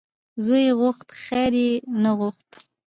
ـ زوی یې غوښت خیر یې نه غوښت .